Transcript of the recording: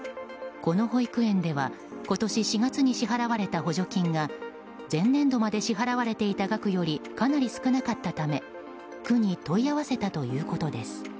この保育園では今年４月に支払われた補助金が前年度まで支払われていた額よりかなり少なかったため区に問い合わせたということです。